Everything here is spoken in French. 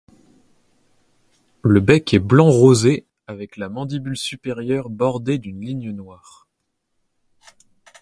Le bec est blanc rosé avec la mandibule supérieure bordée d'une ligne noire.